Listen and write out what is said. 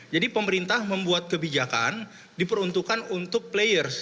jadi pemerintah membuat kebijakan diperuntukkan untuk players